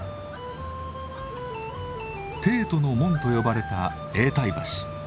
帝都の門と呼ばれた永代橋。